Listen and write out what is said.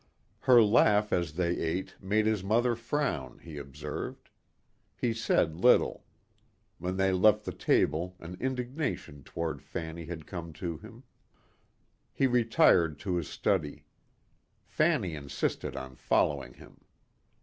Her laugh as they ate made his mother frown, he observed. He said little. When they left the table an indignation toward Fanny had come to him. He retired to his study. Fanny insisted on following him.